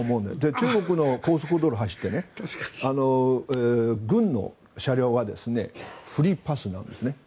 中国の高速道路を走って軍の車両はフリーパスなんですね。